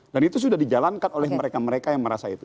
dan itu sudah dijalankan oleh mereka mereka yang merasa itu